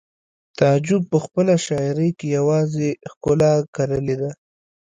تعجب په خپله شاعرۍ کې یوازې ښکلا کرلې ده